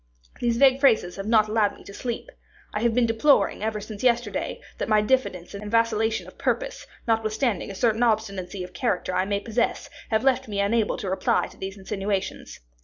These vague phrases have not allowed me to sleep. I have been deploring, ever since yesterday, that my diffidence and vacillation of purpose, notwithstanding a certain obstinacy of character I may possess, have left me unable to reply to these insinuations.